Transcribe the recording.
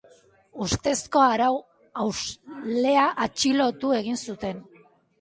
Ustezko arau-hauslea atxilotu egin zuten.